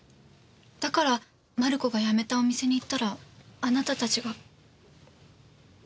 だからマルコが辞めたお店に行ったらあなたたちが。